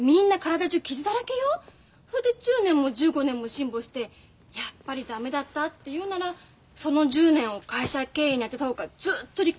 ほんで１０年も１５年も辛抱してやっぱり駄目だったっていうんならその１０年を会社経営に充てた方がずっと利口よ。